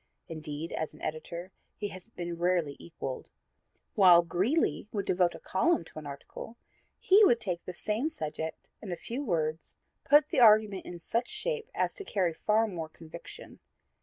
Indeed, as an editor he has been rarely equaled. While Greeley would devote a column to an article, he would take the same subject and in a few words put the argument in such shape as to carry far more conviction.